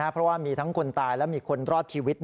เพราะว่ามีทั้งคนตายและมีคนรอดชีวิต